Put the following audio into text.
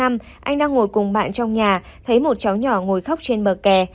anh đang ngồi cùng bạn trong nhà thấy một cháu nhỏ ngồi khóc trên bờ kè